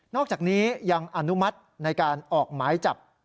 อกจากนี้ยังอนุมัติในการออกหมายจับ